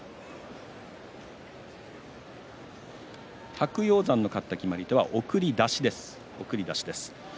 白鷹山の勝った決まり手は、送り出しです。